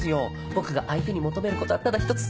僕が相手に求める事はただ一つ。